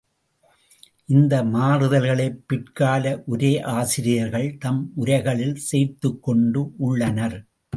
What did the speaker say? இந்த மாறுதல்களைப் பிற்கால உரையாசிரியர்கள் தம் உரைகளில் சேர்த்துக்கொண்டு உள்ளனர்.